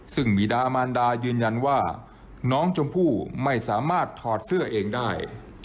ซึ่งบีดามานดายืนยันว่าน้องชมพู่ไม่สามารถถอดเสื้อเองได้